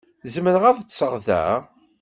Zemreɣ ad ṭṭseɣ da?